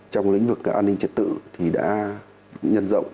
trong lĩnh vực an ninh trật tự thì đã nhân rộng